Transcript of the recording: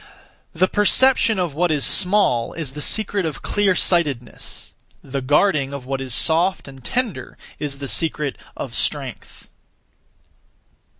The perception of what is small is (the secret of) clear sightedness; the guarding of what is soft and tender is (the secret of) strength.